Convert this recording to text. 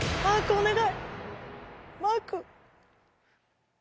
お願い！